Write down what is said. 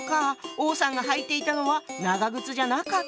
王さんが履いていたのは長靴じゃなかった。